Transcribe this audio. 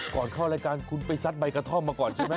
ก่อนเข้ารายการคุณไปซัดใบกระท่อมมาก่อนใช่ไหม